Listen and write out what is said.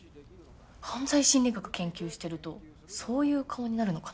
犯罪心理学研究してるとそういう顔になるのかな？